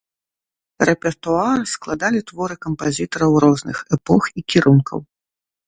Рэпертуар складалі творы кампазітараў розных эпох і кірункаў.